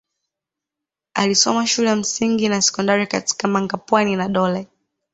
Alisoma shule ya msingi na sekondari katika Mangapwani na Dole